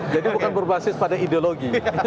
jadi bukan berbasis pada ideologi